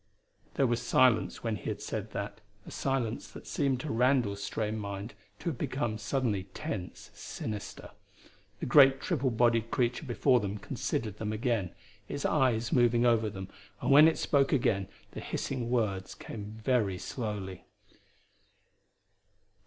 There was silence when he had said that, a silence that seemed to Randall's strained mind to have become suddenly tense, sinister. The great triple bodied creature before them considered them again, its eyes moving over them, and when it again spoke the hissing words came very slowly.